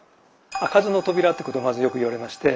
「開かずの扉」ってことをまずよく言われまして。